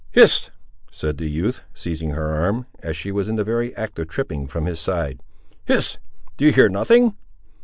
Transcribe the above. "Hist!" said the youth, seizing her arm, as she was in the very act of tripping from his side—"Hist! do you hear nothing?